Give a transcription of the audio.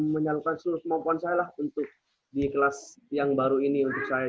menyalurkan seluruh kemampuan saya lah untuk di kelas yang baru ini untuk saya